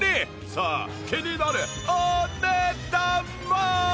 さあ気になるお値段は？